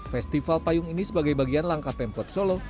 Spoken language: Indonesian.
festival payung ini sebagai bagian langkah pemkot solo